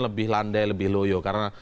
lebih landai lebih loyo karena